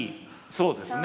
そうですね。